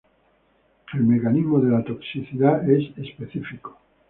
El mecanismo de la toxicidad es específico.